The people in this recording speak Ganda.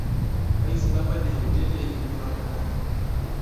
Abayizi bambadde ebiteteeyi ebifanagana.